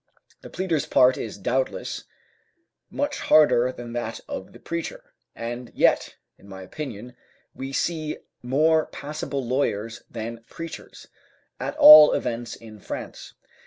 The pleader's part is, doubtless, much harder than that of the preacher; and yet, in my opinion, we see more passable lawyers than preachers, at all events in France.